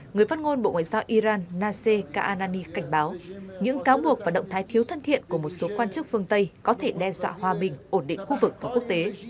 người phát ngôn bộ ngoại giao iran naseh ka anani cảnh báo những cáo buộc và động thái thiếu thân thiện của một số quan chức phương tây có thể đe dọa hòa bình ổn định khu vực và quốc tế